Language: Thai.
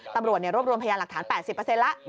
ตำรวจรวบรวมพยานหลักฐาน๘๐แล้ว